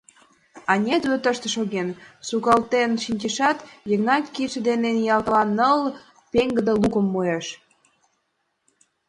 Ане, Тудо тыште шоген... — сукалтен шинчешат, Йыгнат кидше дене ниялткала, ныл пеҥгыде лукым муэш.